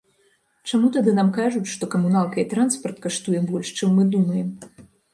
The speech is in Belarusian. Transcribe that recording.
Чаму тады нам кажуць, што камуналка і транспарт каштуе больш, чым мы думаем?